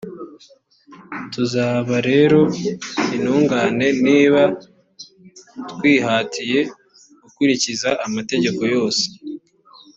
tuzaba rero intungane niba twihatiye gukurikiza mategeko yose